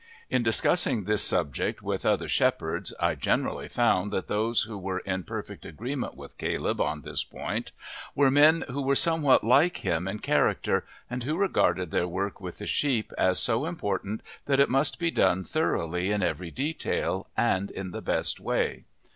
In discussing this subject with other shepherds I generally found that those who were in perfect agreement with Caleb on this point were men who were somewhat like him in character, and who regarded their work with the sheep as so important that it must be done thoroughly in every detail and in the best way.